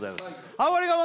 ハモリ我慢